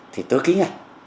thì tôi ký ngay